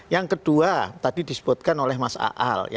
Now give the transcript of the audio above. yang kedua tadi disebutkan oleh mas aal